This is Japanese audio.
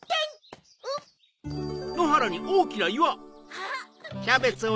あっ！